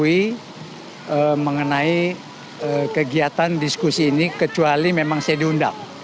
saya tidak mengetahui mengenai kegiatan diskusi ini kecuali memang saya diundang